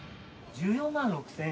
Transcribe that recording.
１４万６，０００円。